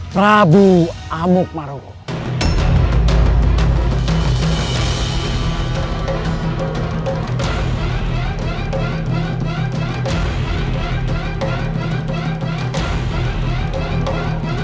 prabu amuk maroko